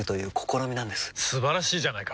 素晴らしいじゃないか！